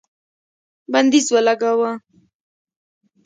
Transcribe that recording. بندیز ولګاوه